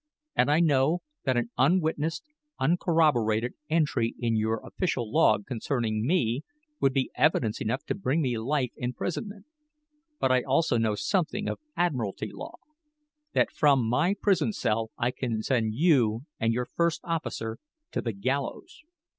And I know that an unwitnessed, uncorroborated entry in your official log concerning me would be evidence enough to bring me life imprisonment. But I also know something of admiralty law; that from my prison cell I can send you and your first officer to the gallows."